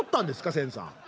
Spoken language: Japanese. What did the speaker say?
千さん。